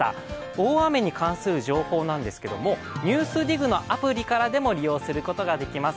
大雨に関する情報なんですが「ＮＥＷＳＤＩＧ」のアプリからでも利用することができます。